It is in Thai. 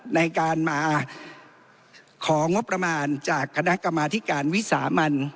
ในการมาของงบประมาณจากคณะกรรมาธิการวิสามัน